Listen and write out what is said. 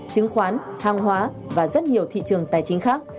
chứng khoán hàng hóa và rất nhiều thị trường tài chính khác